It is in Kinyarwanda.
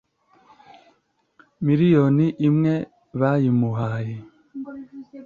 miliyoni imwe bayimuhaye